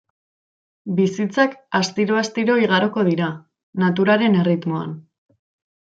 Bizitzak astiro-astiro igaroko dira, naturaren erritmoan.